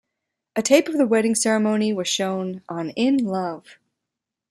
A tape of the wedding ceremony was shown on "Inn Love".